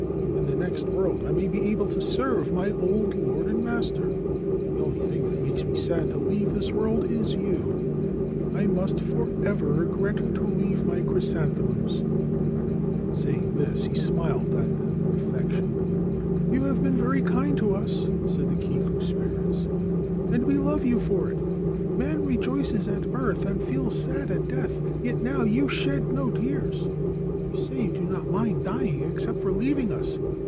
In the next world I may be able to serve my old lord and master. The only thing that makes me sad to leave this world is you : I must for ever regret to leave my chrysanthemums !' Saying this, he smiled at them in affection. ' You have been very kind to us/ said the Kiku spirits, * and we love you for it. Man rejoices at birth, and feels sad at death ; yet now you shed no tears. You say you do not mind dying except for leaving us.